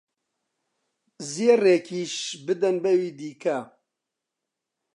زێڕێکیش بدەن بەوی دیکە